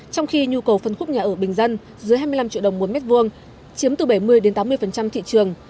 trong khi nhu cầu phân khúc nhà ở bình dân dưới hai mươi năm triệu đồng mỗi mét vuông chiếm từ bảy mươi tám mươi thị trường